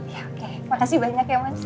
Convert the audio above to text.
ya oke makasih banyak ya mas